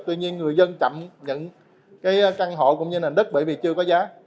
tuy nhiên người dân chậm những căn hộ cũng như nền đất bởi vì chưa có giá